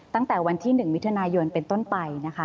ตั้งแต่วันที่๑วิทยาลัยยนต์เป็นต้นไป